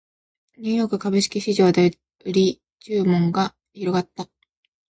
ニューヨーク株式市場で売り注文が広がった